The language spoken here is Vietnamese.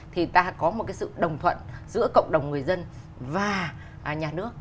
thì ta có một cái sự đồng thuận giữa cộng đồng người dân và nhà nước